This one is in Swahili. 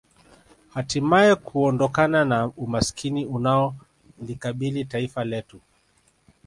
Hatimae kuondokana na umaskini unaolikabili taifa letu